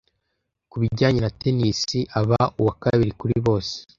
Ku bijyanye na tennis, aba uwa kabiri kuri bose.